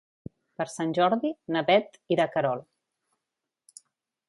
Per Sant Jordi na Bet irà a Querol.